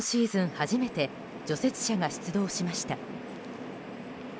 初めて除雪車が出動しました。